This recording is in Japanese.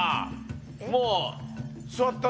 もう。